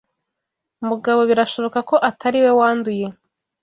Mugabo birashoboka ko atariwe wanduye.